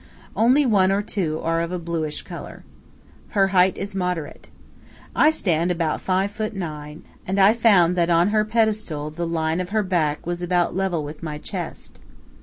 Only one or two are of a bluish color. Her height is moderate. I stand about five foot nine, and I found that on her pedestal the line of her back was about level with my chest.